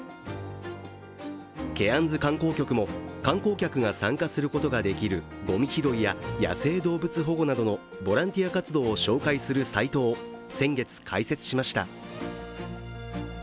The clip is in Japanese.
ケアンズ観光局も、観光客が参加することができるごみ拾いや野生動物保護などのボランティア活動を紹介するサイトを先月、開設しました。